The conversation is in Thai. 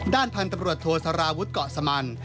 ด้านพันธุ์ตำรวจโทสาราวุฒิเกาะสมัน